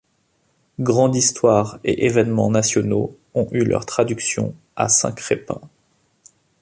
Grande histoire et événements nationaux ont eu leur traduction à Saint-Crépin.